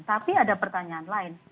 tapi ada pertanyaan lain